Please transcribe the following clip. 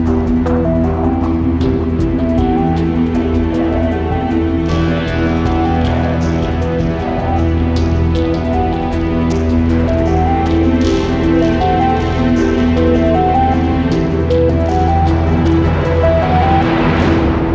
โอ้โหมันอะไรที่เจ็บมากพูดกับเราอืมบอกไม่ต้องหรอกค่ะผมเดินออกมาจากชีวิตเขาเลย